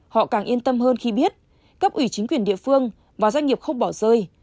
họ càng yên tâm hơn khi biết cấp ủy chính quyền địa phương và doanh nghiệp không bỏ rơi